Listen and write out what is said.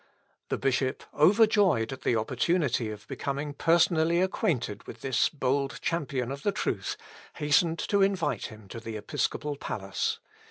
The bishop, overjoyed at the opportunity of becoming personally acquainted with this bold champion of the truth, hastened to invite him to the episcopal palace.